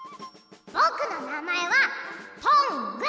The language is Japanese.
ぼくのなまえは「トング」。